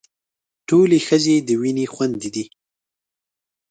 ټولې ښځې د وينې خويندې دي.